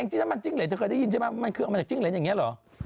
แอ้งจิ้งน้ำมันจิ้งเหลนเธอเคยได้ยินใช่ป่ะมันคือเอามาจากจิ้งเหลนอย่างเงี้ยเหรอ